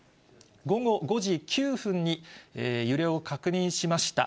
午後５時９分に、揺れを確認しました。